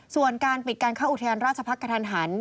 ส่วนการปิดการเข้าอุทยานราชพักษ์กระทันหัน